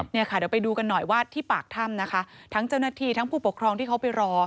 เดี๋ยวค่ะเดี๋ยวไปดูกันหน่อยว่าที่ปากถ้ำนะคะทั้งเจ้าหน้าที่ทั้งผู้ปกครองที่เขาไปรอ